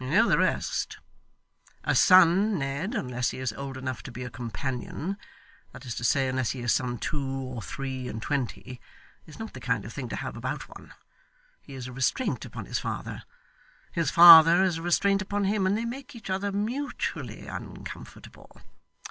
You know the rest. A son, Ned, unless he is old enough to be a companion that is to say, unless he is some two or three and twenty is not the kind of thing to have about one. He is a restraint upon his father, his father is a restraint upon him, and they make each other mutually uncomfortable.